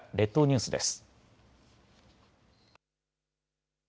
列島ニュースです。